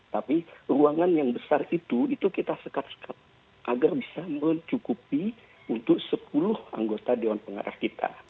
tapi ruangan yang besar itu itu kita sekat sekat agar bisa mencukupi untuk sepuluh anggota dewan pengarah kita